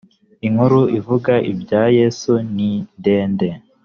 inkuru ivuga ibya yesu nindende.